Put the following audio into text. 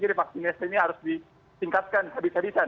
jadi vaksinasi ini harus disingkatkan habis habisan